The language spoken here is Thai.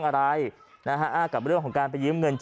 กลับมาพร้อมขอบความ